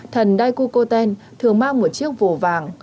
thần daikokuten thường mang một chiếc vổ vàng